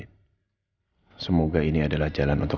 kasian masih kecapek